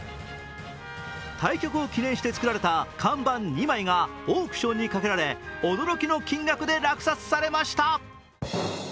対局を記念して作られた看板２枚がオークションにかけられ、驚きの金額で落札されました。